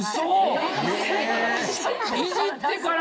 ウソ⁉いじってから？